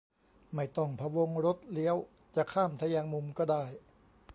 ไม่ต้องพะวงรถเลี้ยว จะข้ามทแยงมุมก็ได้